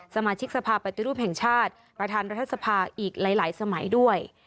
สมาชิกสภาพปฏิรูปแห่งชาติประธานรัฐสภาอีกหลายสมัยด้วย